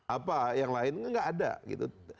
apa yang lainnya gak ada gitu